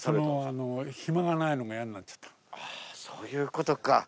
あそういうことか。